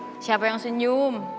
kenapa yang senyum